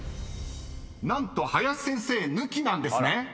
［何と林先生抜きなんですね］